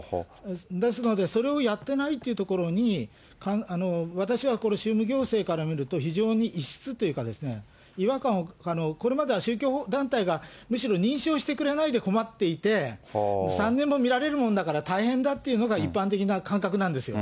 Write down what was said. ですので、それをやってないというところに、私はこれ、宗務行政から見ると、非常に異質というかですね、違和感を、これまでは宗教団体がむしろ認証してくれないで困っていて、３年も見られるもんだから大変だっていうのが、一般的な感覚なんですよ。